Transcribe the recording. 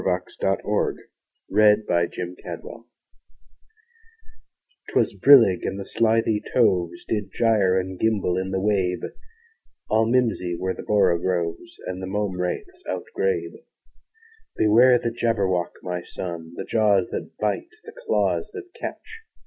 Lewis Carroll Jabberwocky 'TWAS brillig, and the slithy toves Did gyre and gimble in the wabe: All mimsy were the borogoves, And the mome raths outgrabe. "Beware the Jabberwock, my son! The jaws that bite, the claws that catch!